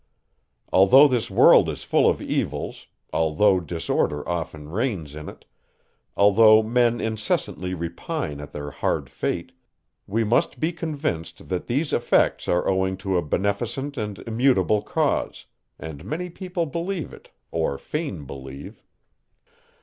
Although this world is full of evils; although disorder often reigns in it; although men incessantly repine at their hard fate; we must be convinced, that these effects are owing to a beneficent and immutable cause; and many people believe it, or feign believe.